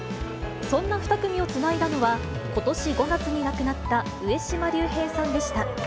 そんな２組をつないだのは、ことし５月に亡くなった上島竜兵さんでした。